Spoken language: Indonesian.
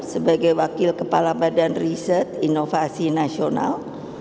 sebagai wakil kepala badan riset inovasi nasional